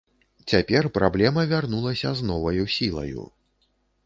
Цяпер праблема вярнулася з новаю сілаю.